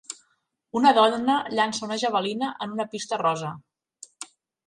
Una dona llança una javelina en una pista rosa.